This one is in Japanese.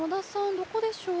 どこでしょう。